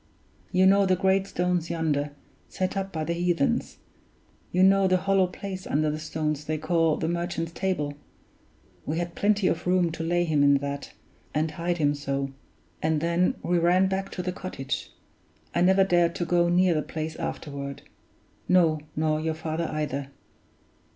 You know the great stones yonder, set up by the heathens; you know the hollow place under the stones they call 'The Merchant's Table'; we had plenty of room to lay him in that, and hide him so; and then we ran back to the cottage. I never dared to go near the place afterward; no, nor your father either!